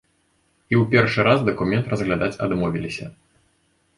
І ў першы раз дакумент разглядаць адмовіліся.